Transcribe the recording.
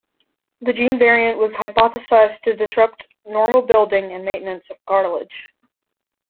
The gene variant was hypothesized to disrupt normal building and maintenance of cartilage.